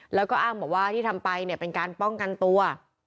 แล้วก็อ้างบอกว่าที่ทำไปเนี่ยเป็นการป้องกันตัว